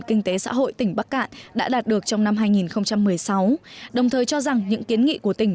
kinh tế xã hội tỉnh bắc cạn đã đạt được trong năm hai nghìn một mươi sáu đồng thời cho rằng những kiến nghị của tỉnh